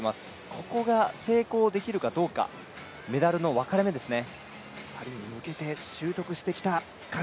ここが、成功できるかどうかメダルの分かれ目ですね。